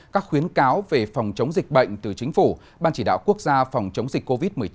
các khuyến cáo về phòng chống dịch bệnh từ chính phủ ban chỉ đạo quốc gia phòng chống dịch covid một mươi chín